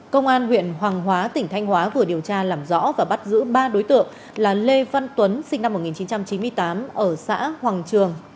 công an huyện hoàng hóa tỉnh thanh hóa vừa điều tra làm rõ và bắt giữ ba đối tượng là lê văn tuấn sinh năm một nghìn chín trăm chín mươi tám ở xã hoàng trường